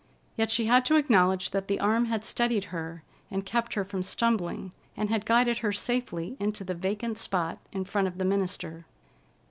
Yet she had to acknowledge that the arm had steadied her and kept her from stumbling, and had guided her safely into the vacant spot in front of the minister.